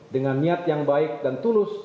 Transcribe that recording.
dengan niat yang baik dan tulus